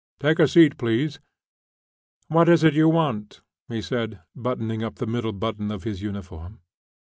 "Take a seat, please. What is it you want?" he said, buttoning up the middle button of his uniform.